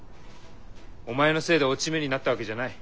お前のせいで落ち目になったわけじゃない。